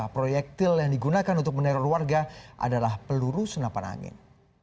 proyektil yang digunakan untuk meneror warga adalah peluru senapan angin